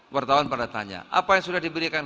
wartawan pada tanya apa yang sudah diberikan